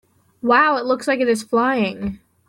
Wow! It looks like it is flying!